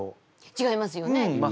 違いますよね？